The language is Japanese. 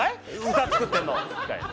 歌作ってんの」みたいな。